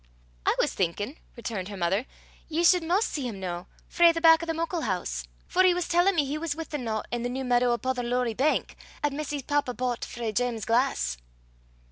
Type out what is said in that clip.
"I was thinkin'," returned her mother, "ye sud 'maist see him noo frae the back o' the muckle hoose; for he was tellin' me he was wi' the nowt' i' the new meadow upo' the Lorrie bank, 'at missie's papa boucht frae Jeames Glass."